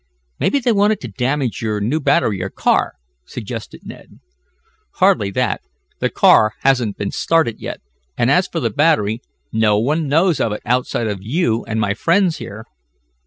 "Maybe they wanted to damage your new battery or car," suggested Ned. "Hardly that. The car hasn't been started yet, and as for the battery, no one knows of it outside of you and my friends here.